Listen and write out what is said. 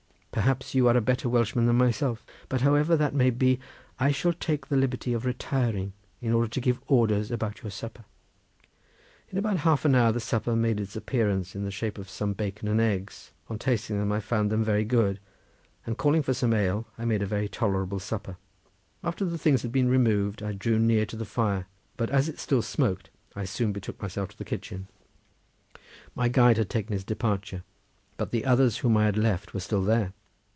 Perhaps you are a better Welshman than myself; but however that may be, I shall take the liberty of retiring in order to give orders about your supper." In about half an hour the supper made its appearance in the shape of some bacon and eggs; on tasting them I found them very good, and calling for some ale I made a very tolerable supper. After the things had been removed I drew near to the fire, but, as it still smoked, I soon betook myself to the kitchen. My guide had taken his departure, but the others whom I had left were still there.